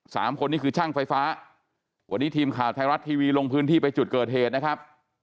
สามคนนี้คือช่างไฟฟ้าวันนี้ทีมข่าวไทยรัฐทีวีลงพื้นที่ไปจุดเกิดเหตุนะครับ